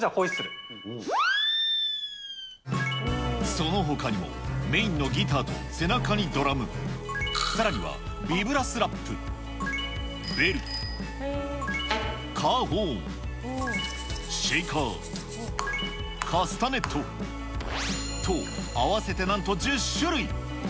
そのほかにも、メインのギターと背中にドラム、さらにはビブラスラップ、ベル、カーホーン、シェイカー、カスタネット、と、合わせてなんと１０種類。